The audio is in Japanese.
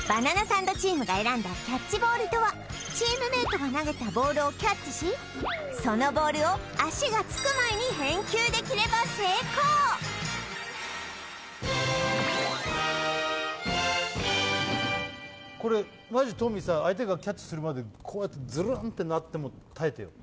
サンドチームが選んだキャッチボールとはチームメイトが投げたボールをキャッチしそのボールを足がつく前に返球できれば成功マジトミーさ相手がキャッチするまでこうやってズルンってなっても耐えてよ